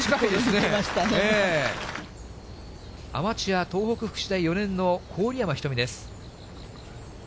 アマチュア、東北福祉大４年の郡山瞳です。